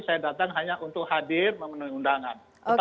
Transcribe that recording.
saya datang hanya untuk hadir memenuhi undangan